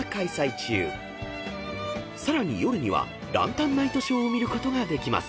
［さらに夜にはランタンナイトショーを見ることができます］